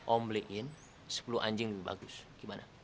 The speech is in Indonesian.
omblein sepuluh anjing lebih bagus gimana